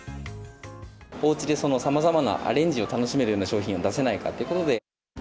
おうちでさまざまなアレンジを楽しめるような商品を出せないかっていうことで。